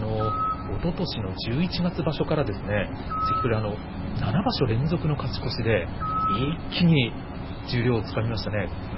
おととしの十一月場所から関取７場所連続の勝ち越しで一気に十両をつかみましたね。